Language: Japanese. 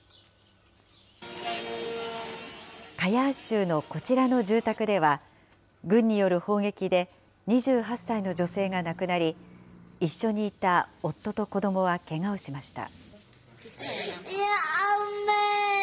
カヤー州のこちらの住宅では、軍による砲撃で２８歳の女性が亡くなり、一緒にいた夫と子どもはけがをしました。